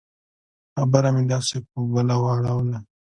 خبره مې داسې په بله واړوله.